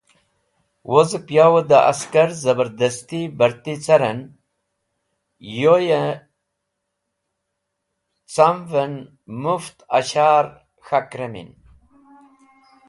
Wozep yave the Askar Zabardasti Bharti caren. Yoy ey camven muft Ashaar k̃hak remin.